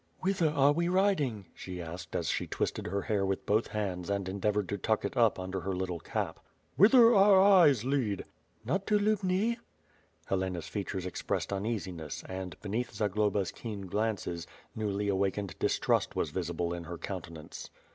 "Whither are we riding," she asked as she twis ted her hair with both hands and endeavored to tuck it up under her little cap. "Whither our eyes lead." "Not to Lubni?" Helena's features expressed uneasiness and, beneath Zag loba's keen glances, newly awakened distrust was visible in her countenance.